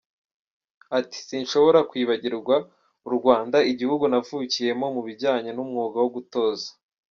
Ati "Sinshobora kwibagirwa u Rwanda, igihugu navukiyemo mu bijyanye n’umwuga wo gutoza.